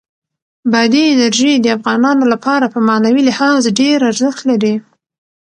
بادي انرژي د افغانانو لپاره په معنوي لحاظ ډېر ارزښت لري.